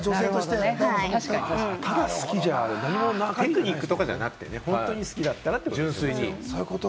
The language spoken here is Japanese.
テクニックとかじゃなくてね、本当に好きだったらということですよ。